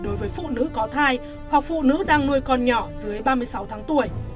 đối với phụ nữ có thai hoặc phụ nữ đang nuôi con nhỏ dưới ba mươi sáu tháng tuổi